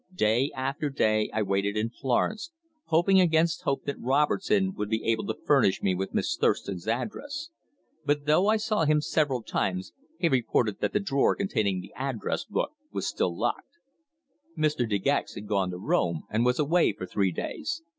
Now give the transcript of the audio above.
Day after day I waited in Florence, hoping against hope that Robertson would be able to furnish me with Miss Thurston's address. But though I saw him several times he reported that the drawer containing the address book was still locked. Mr. De Gex had gone to Rome, and was away for three days.